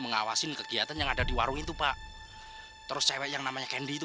mengawasin kegiatan yang ada di warung itu pak terus cewek yang namanya candi itu